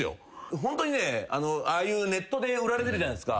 ホントにねああいうネットで売られてるじゃないすか。